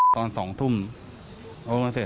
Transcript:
ตอน๒ทุ่มโอนเงินเสร็จ